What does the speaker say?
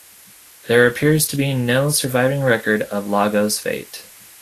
There appears to be no surviving record of Iago's fate.